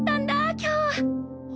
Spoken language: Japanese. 今日。